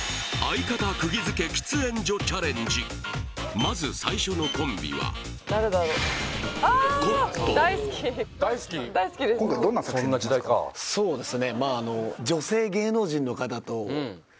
まず最初のコンビはそうですね